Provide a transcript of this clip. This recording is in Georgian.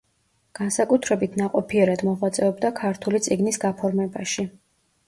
განსაკუთრებით ნაყოფიერად მოღვაწეობდა ქართული წიგნის გაფორმებაში.